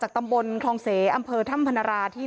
จากตำบลครองเศสอำเพอถ้ำพนราที่น